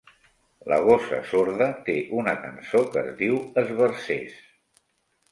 La Gossa Sorda té una cançó que es diu "esbarzers".